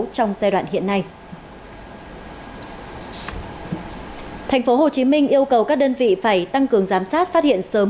trong giai đoạn hiện nay tp hcm yêu cầu các đơn vị phải tăng cường giám sát phát hiện sớm